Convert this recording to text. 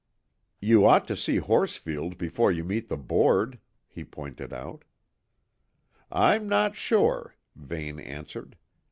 "You ought to see Horsfield before you meet the board," he pointed out. "I'm not sure," Vane answered.